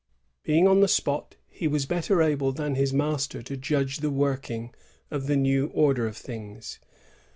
Being on the spot, he was better able than his master to judge the working of the new order of things.